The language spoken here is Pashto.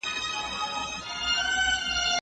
د اصلاحاتو پروګرام باید د ټولنې اړتیاوې پوره کړي.